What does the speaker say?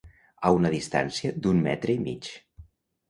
A una distància d’un metre i mig.